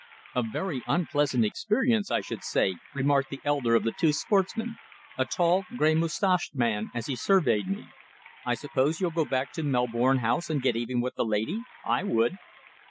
"A very unpleasant experience, I should say," remarked the elder of the two sportsmen, a tall, grey moustached man, as he surveyed me. "I suppose you'll go back to Melbourne House and get even with the lady? I would!"